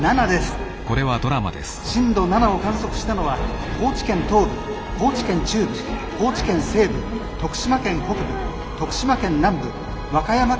震度７を観測したのは高知県東部高知県中部高知県西部徳島県北部徳島県南部和歌山県北部